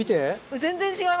全然違う！